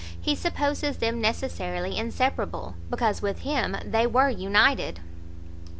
he supposes them necessarily inseparable, because with him they were united.